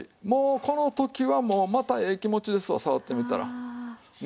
もうこの時はもうまたええ気持ちですわ触ってみたら。